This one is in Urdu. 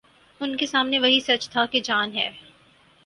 ان کے سامنے وہی سچ تھا کہ جان ہے۔